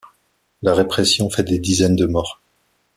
La répression fait des dizaines de morts.